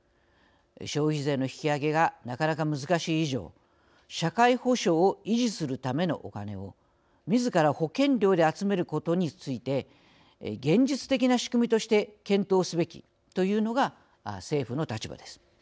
消費税の引き上げがなかなか難しい以上社会保障を維持するためのお金をみずから保険料で集めることについて現実的な仕組みとして検討すべきというのが政府の立場です。